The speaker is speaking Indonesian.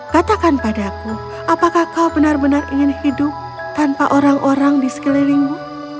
katakan padaku apakah kau benar benar ingin hidup tanpa orang orang di sekelilingmu